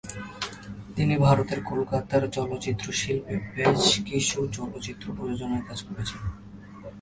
তিনি ভারতের কলকাতার চলচ্চিত্র শিল্পে বেশ কিছু চলচ্চিত্রের প্রযোজনায় কাজ করেছেন।